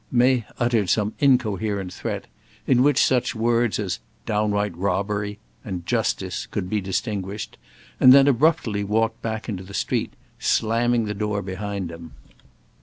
May uttered some incoherent threat, in which such words as "downright robbery" and "justice" could be distinguished, and then abruptly walked back into the street, slamming the door behind him.